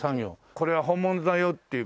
これは本物だよっていう